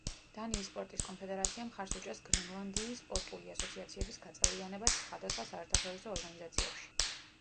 დანიის სპორტის კონფედერაცია მხარს უჭერს გრენლანდიის სპორტული ასოციაციების გაწევრიანებას სხვადასხვა საერთაშორისო ორგანიზაციებში.